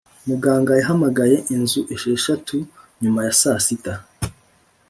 muganga yahamagaye inzu esheshatu nyuma ya saa sita.